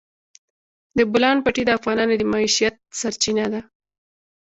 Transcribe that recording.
د بولان پټي د افغانانو د معیشت سرچینه ده.